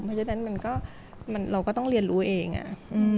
เพราะฉะนั้นมันก็เราก็ต้องเรียนรู้เองอะ